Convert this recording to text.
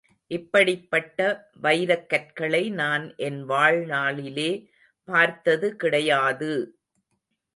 இப்படிப்பட்ட வைரக் கற்களை நான் என் வாழ்நாளிலே பார்த்தது கிடையாது!